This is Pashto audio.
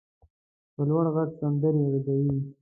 په لوړ غږ سندرې غږوي.